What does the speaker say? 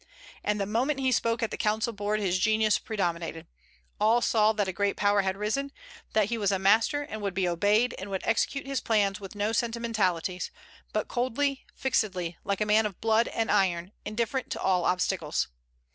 And the moment he spoke at the council board his genius predominated; all saw that a great power had arisen, that he was a master, and would be obeyed, and would execute his plans with no sentimentalities, but coldly, fixedly, like a man of blood and iron, indifferent to all obstacles.